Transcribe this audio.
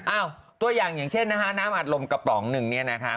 ตัวอย่างอย่างเช่นนะคะน้ำอัดลมกระป๋องหนึ่งเนี่ยนะคะ